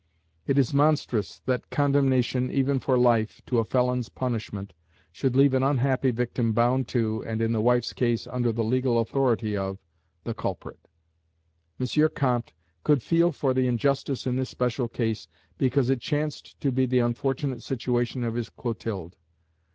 It is monstrous that condemnation, even for life, to a felon's punishment, should leave an unhappy victim bound to, and in the wife's case under the legal authority of, the culprit. M. Comte could feel for the injustice in this special case, because it chanced to be the unfortunate situation of his Clotilde.